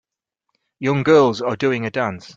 Young girls are doing a dance.